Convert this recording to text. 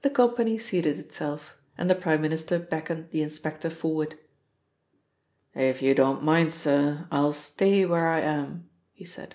The company seated itself, and the Prime Minister beckoned the inspector forward. "If you don't mind, sir, I'll stay where I am," he said.